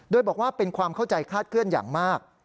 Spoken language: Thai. โดยบอกว่าเป็นความเข้าใจคาดเคลื่อนอย่างมาก